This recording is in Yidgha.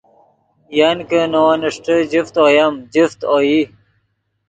ین کہ نے ون اݰٹے جفت اویم، جفت اوئی